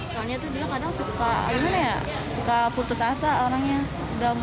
soalnya tuh dia kadang suka gimana ya suka putus asa orangnya